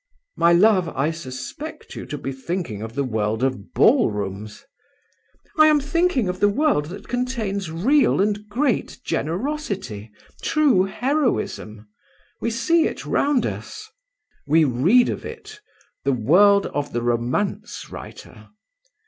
"My love, I suspect you to be thinking of the world of ballrooms." "I am thinking of the world that contains real and great generosity, true heroism. We see it round us." "We read of it. The world of the romance writer!"